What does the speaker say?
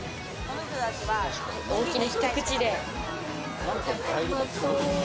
大きな一口で。